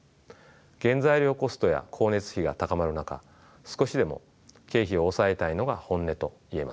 原材料コストや光熱費が高まる中少しでも経費を抑えたいのが本音といえます。